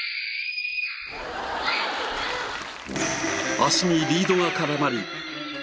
足にリードが絡まり。